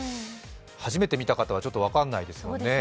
初めて見た方はちょっと分からないですよね。